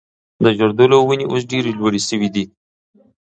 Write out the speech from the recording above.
د زردالو ونې اوس ډېرې لوړې شوي دي.